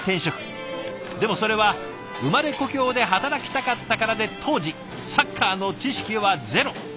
でもそれは生まれ故郷で働きたかったからで当時サッカーの知識はゼロ。